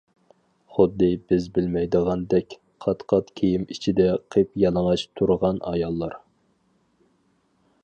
خۇددى بىز بىلمەيدىغاندەك قات-قات كىيىم ئىچىدە قىپيالىڭاچ تۇرغان ئاياللار.